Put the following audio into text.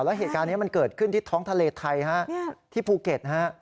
แล้วเหตุการณ์นี้มันเกิดขึ้นที่ท้องทะเลไทยฮะที่ภูเก็ตฮะ